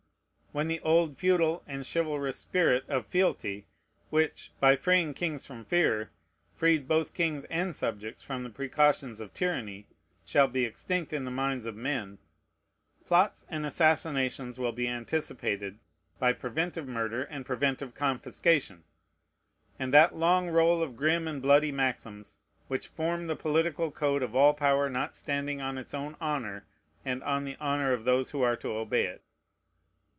When the old feudal and chivalrous spirit of fealty, which, by freeing kings from fear, freed both kings and subjects from the precautions of tyranny, shall be extinct in the minds of men, plots and assassinations will be anticipated by preventive murder and preventive confiscation, and that long roll of grim and bloody maxims which form the political code of all power not standing on its own honor and the honor of those who are to obey it.